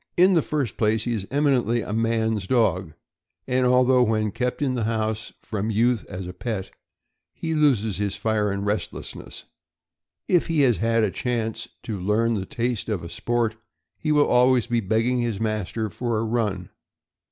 In the first place, he is eminently a man's dog; and although when kept in the house from youth as a pet he loses his fire and restlessness, if he has had a chance to learn the taste of sport, he will always be begging his mas ter for a run.